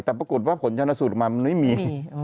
แต่ปรากฏว่าผลชนสูตรออกมามันไม่มี